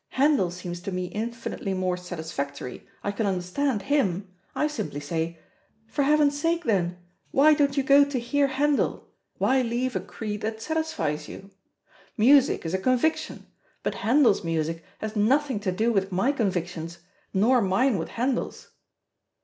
Handel seems to me infinitely more satisfactory, I can understand him,' I simply say, 'For Heaven's sake, then, why don't you go to hear Handel? Why leave a creed that satisfies you?' Music is a conviction, but Handel's music has nothing to do with my convictions, nor mine with Handel's."